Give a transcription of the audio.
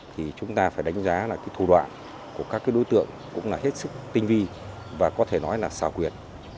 thì chúng ta phải đánh giá là thủ đoạn của các đối tượng cũng là hết sức tinh vi và có thể nói là xào quyệt